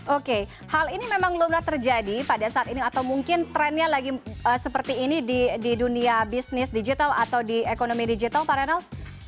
oke hal ini memang lumrah terjadi pada saat ini atau mungkin trennya lagi seperti ini di dunia bisnis digital atau di ekonomi digital pak renald